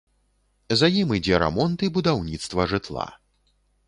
За ім ідзе рамонт і будаўніцтва жытла.